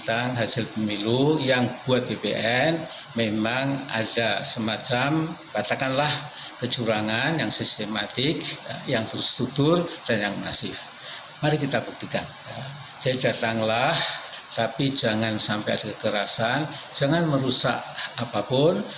assalamualaikum warahmatullahi wabarakatuh